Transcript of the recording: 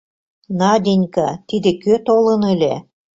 — Наденька, тиде кӧ толын ыле?